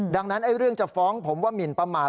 ดังนั้นเรื่องจะฟ้องผมว่าหมินประมาท